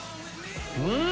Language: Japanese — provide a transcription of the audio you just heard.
うん！